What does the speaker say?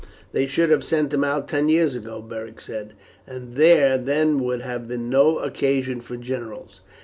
"They should have sent him out ten years ago," Beric said, "and there then would have been no occasion for generals."